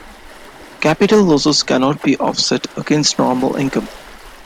Capital losses cannot be offset against normal income.